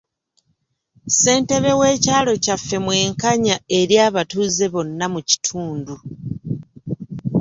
Ssentebe w'ekyalo kyaffe mwenkanya eri abatuuze bonna mu kitundu.